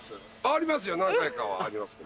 ありますよ何回かはありますけどね。